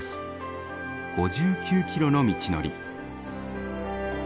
５９キロの道のり。